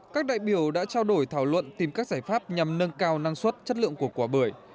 các đại biểu đã trao đổi thảo luận tìm các giải pháp nhằm nâng cao năng suất chất lượng của quả bưởi